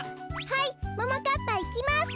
はいももかっぱいきます。